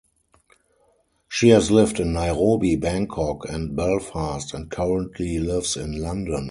She has lived in Nairobi, Bangkok and Belfast, and currently lives in London.